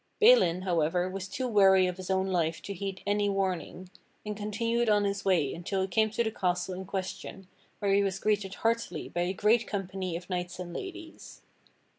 Balin, however, was too weary of his own life to heed any warning, and continued on his way until he came to the castle in question where he was greeted heartily by a great company of knights and ladies.